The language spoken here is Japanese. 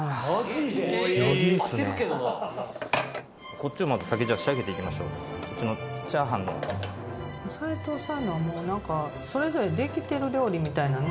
こっちをまず先じゃあ仕上げていきましょうこっちのチャーハンを斎藤さんのはもう何かそれぞれできてる料理みたいなね